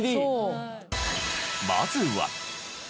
まずは。